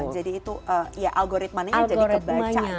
jadi itu ya algoritmanya jadi kebaca gitu ya mbak ya